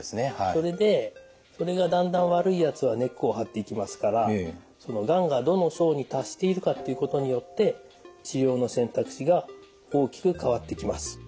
それでそれがだんだん悪いやつは根っこを張っていきますからそのがんがどの層に達しているかっていうことによって治療の選択肢が大きく変わってきます。